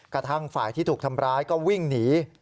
กระทั่งฝ่ายที่ถูกทำร้ายก็วิ่งหนี